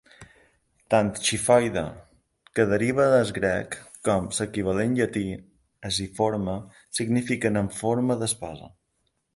Tant xifoide, que deriva del grec, com l'equivalent llatí, ensiforme, signifiquen "amb forma d'espasa".